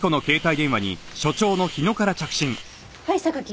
はい榊。